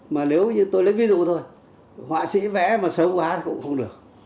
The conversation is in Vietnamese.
mà nếu như tôi lấy ví dụ thôi họa sĩ vẽ mà sớm quá cũng không được